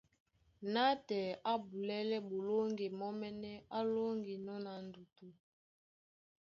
Nátɛɛ á bulɛ́lɛ́ ɓolóŋgi mɔ́mɛ́nɛ́ á lóŋginɔ́ na ndutu,